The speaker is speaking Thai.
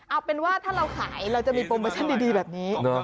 เอาเป็นว่าถ้าเราขายเราจะมีโปรโมชั่นดีแบบนี้